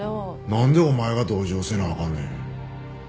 なんでお前が同情せなあかんねん。